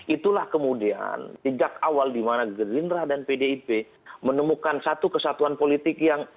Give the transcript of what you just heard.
itulah kemudian sejak awal dimana gerindra dan pdip menemukan satu kesatuan politik yang